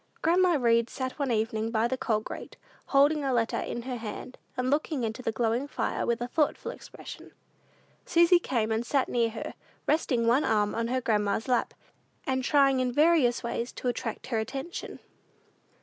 Grandma Read sat one evening by the coal grate, holding a letter in her hand, and looking into the glowing fire with a thoughtful expression. Susy came and sat near her, resting one arm on her grandma's lap, and trying in various ways to attract her attention.